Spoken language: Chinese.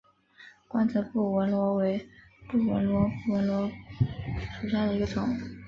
光泽布纹螺为布纹螺科布纹螺属下的一个种。